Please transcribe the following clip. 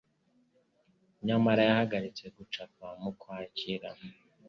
nyamara yahagaritse gucapa mu Kwakira